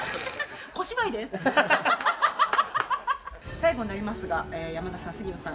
最後になりますが山田さん杉野さん